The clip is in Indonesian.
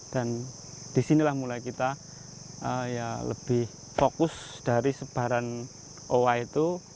dan di sinilah mulai kita lebih fokus dari sebaran owa itu